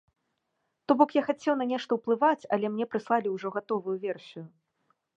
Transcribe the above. То бок, я хацеў на нешта ўплываць, але мне прыслалі ўжо гатовую версію.